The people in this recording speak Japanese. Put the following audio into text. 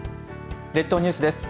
列島ニュースです。